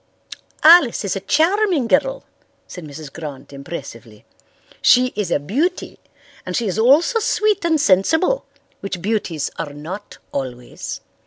"Alice is a charming girl," said Mrs. Grant impressively. "She is a beauty and she is also sweet and sensible, which beauties are not always.